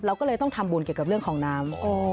เราก็เลยต้องทำบุญเกี่ยวกับเรื่องของน้ำ